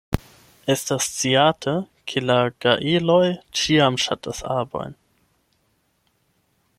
Estas sciate, ke la gaeloj ĉiam ŝatas arbojn.